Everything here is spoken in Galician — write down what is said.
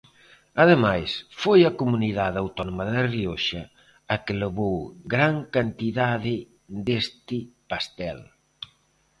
Ademais, foi a Comunidade Autónoma da Rioxa a que levou gran cantidade deste pastel.